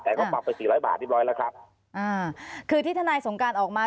แต่นี่ปรับไป๔๐๐บาทที่รอบร้อยและครับอ่าคือที่ท่านายสมการออกมา